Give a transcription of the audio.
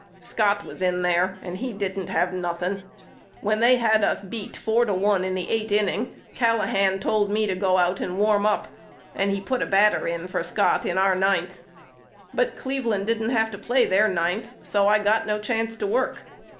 Scott was in there and he didn't have nothing. When they had us beat four to one in the eight inning Callahan told me to go out and warm up and he put a batter in for Scott in our ninth. But Cleveland didn't have to play their ninth so I got no chance to work.